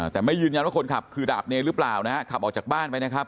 แต่ไม่ยืนยันว่าคนขับคือดาบเนรหรือเปล่านะฮะขับออกจากบ้านไปนะครับ